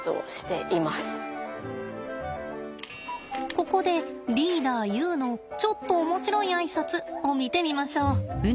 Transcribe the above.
ここでリーダーユウのちょっと面白いあいさつを見てみましょう。